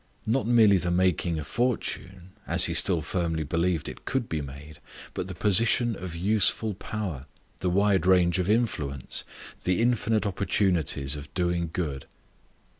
Not merely the making a fortune, as he still firmly believed it could be made, but the position of useful power, the wide range of influence, the infinite opportunities of doing good.